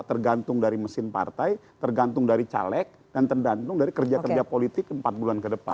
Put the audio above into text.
tergantung dari mesin partai tergantung dari caleg dan tergantung dari kerja kerja politik empat bulan ke depan